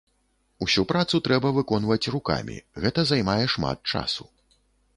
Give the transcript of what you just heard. Усю працу трэба выконваць рукамі, гэта займае шмат часу.